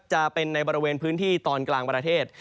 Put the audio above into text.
จะเป็นในบริเวณพื้นที่ตอนกลางประเทศ